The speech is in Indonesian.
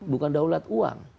bukan daulat uang